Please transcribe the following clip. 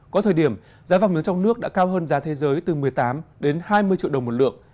có thời điểm giá vàng miếng trong nước đã cao hơn giá thế giới từ một mươi tám đến hai mươi triệu đồng một lượng